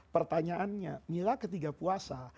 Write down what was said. pertanyaannya mila ketika puasa